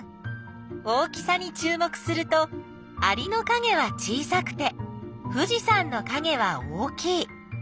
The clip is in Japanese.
大きさにちゅう目するとアリのかげは小さくて富士山のかげは大きい。